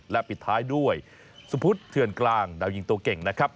และปิดท้ายด้วยสุพุทธเถื่อนกลางดาวยิงตัวเก่งนะครับ